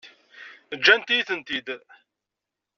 Ǧǧant-iyi-tent-id.